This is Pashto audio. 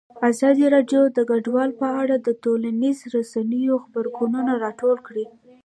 ازادي راډیو د کډوال په اړه د ټولنیزو رسنیو غبرګونونه راټول کړي.